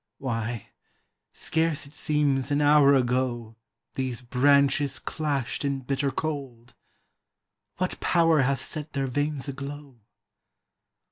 Why, scarce it seems an hour ago These branches clashed in bitter cold ; What Power hath set their veins aglow?